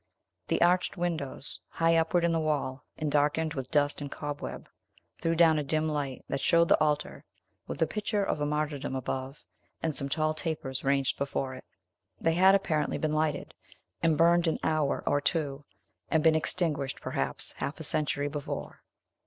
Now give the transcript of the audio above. The arched windows, high upward in the wall, and darkened with dust and cobweb, threw down a dim light that showed the altar, with a picture of a martyrdom above, and some tall tapers ranged before it. They had apparently been lighted, and burned an hour or two, and been extinguished perhaps half a century before.